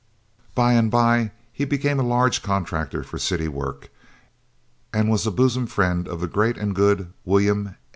By and by he became a large contractor for city work, and was a bosom friend of the great and good Wm.